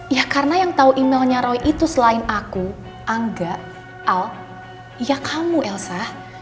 ya karena yang tahu emailnya roy itu selain aku angga al ya kamu elsa